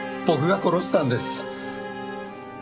僕が殺したんです。